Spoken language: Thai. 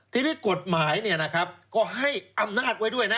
ที่นี่กฎหมายก็ให้อำนาจไว้ด้วย